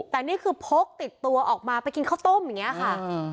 แต่นี่คือพกติดตัวออกมาไปกินข้าวต้มอย่างนี้ค่ะ